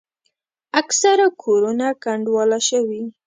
اکثره کورونه کنډواله شوي.